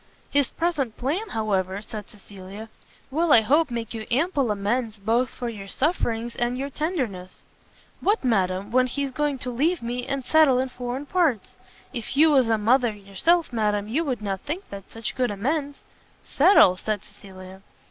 "His present plan, however," said Cecilia, "will I hope make you ample amends both for your sufferings and your tenderness." "What, madam, when he's going to leave me, and settle in foreign parts? If you was a mother yourself, madam, you would not think that such good amends." "Settle?" said Cecilia.